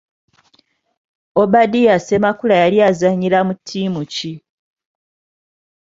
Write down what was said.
Obadia Ssemakula yali azannyira mu ttiimu ki ?